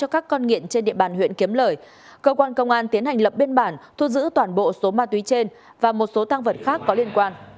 cơ quan công an tiến hành lập biên bản thu giữ toàn bộ số ma túy trên và một số thang vật khác có liên quan